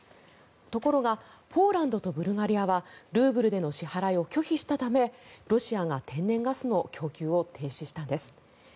ところがポーランドとブルガリアはルーブルでの支払いを拒否したためロシアが天然ガスの供給を停止したんです。